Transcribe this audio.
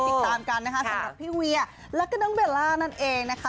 ให้ธริตตามกันนะฮะสำหรับพี่เวียร์แล้วก็ทั้งเบล่านั่นเองนะคะ